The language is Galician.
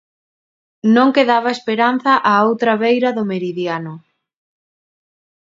Non quedaba esperanza á outra beira do meridiano